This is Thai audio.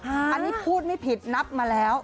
อันนี้พูดไม่ผิดนับมาแล้ว